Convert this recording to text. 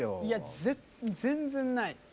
いや全然ない。